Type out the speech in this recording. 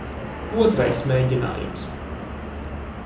Otrais mēģinājums.